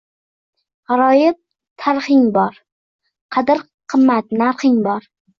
Gar gʼaroyib tarhing bor, qadr-qimmat narxing bor